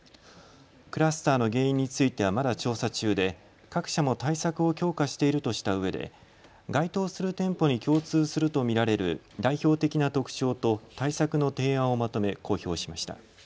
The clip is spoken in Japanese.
クラスターの原因についてはまだ調査中で各社も対策を強化しているとしたうえで該当する店舗に共通すると見られる代表的な特徴と対策の提案をまとめ公表しました。